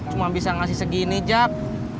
cuma bisa ngasih segini jak